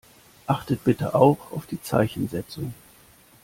Achtet bitte auch auf die Zeichensetzung.